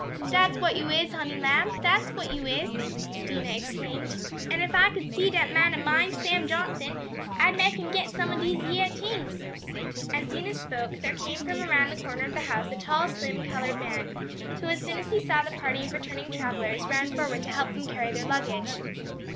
"Dat's what yo' is, honey lamb! Dat's what yo' is!" Dinah exclaimed. "An' ef I could see dat man ob mine, Sam Johnson, I'd make him take some ob dese yeah t'ings." As Dinah spoke there came from around the corner of the house a tall, slim colored man, who as soon as he saw the party of returning travelers, ran forward to help them carry their luggage.